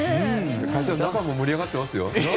会社の中も盛り上がっていますよ。